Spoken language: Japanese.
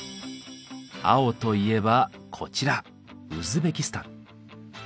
青といえばこちらウズベキスタン。